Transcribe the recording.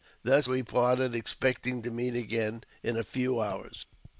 Thus we parted, expecting to meet again in a few hours.